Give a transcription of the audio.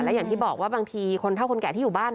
อย่างที่บอกว่าบางทีคนเท่าคนแก่ที่อยู่บ้าน